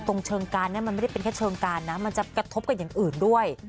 เชิงการเนี่ยมันไม่ได้เป็นแค่เชิงการนะมันจะกระทบกันอย่างอื่นด้วย